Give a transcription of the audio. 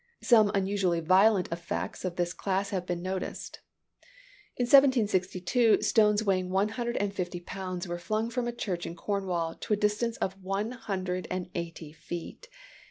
Some unusually violent effects of this class have been noticed. In 1762, stones weighing one hundred and fifty pounds, were flung from a church in Cornwall, to a distance of one hundred and eighty feet.